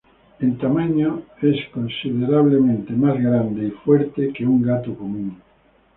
En medida es considerablemente más grande y más fuerte que un gato común.